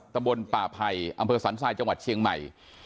ตำบลป่าไผ่อำเภอสันทรายจังหวัดเชียงใหม่